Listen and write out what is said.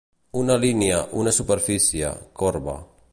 Una línia, una superfície, corba.